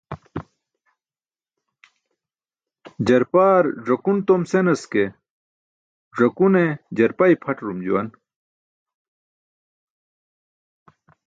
Jarpaar ẓakun tom senas ke, ẓakune jarpa i̇pʰaṭarum juwan.